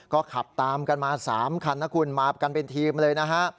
ก็ขับตามกันมา๓คันนะคุณมากันเป็นทีมเลยนะฮะ